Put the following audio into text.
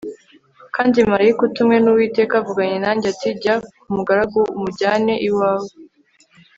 kandi marayika utumwe nUwiteka avuganye nanjye ati Jya kumugarura umujyane iwawe